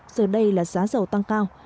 giờ đây là giá dầu tăng cao